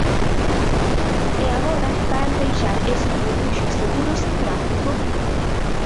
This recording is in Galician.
E agora van deixar eses refuxios seguros sen práctico?